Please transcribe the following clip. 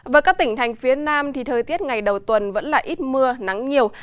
với các tỉnh thành phía nam thì thời tiết ngày đầu tuần vẫn là ít mưa nắng nhiều